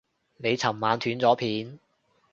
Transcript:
你尋晚斷咗片